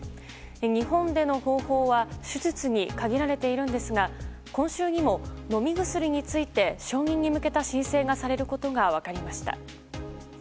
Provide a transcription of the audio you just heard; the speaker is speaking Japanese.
日本での方法は手術に限られているんですが今週にも、飲み薬について承認に向けた申請がされることが分かりました。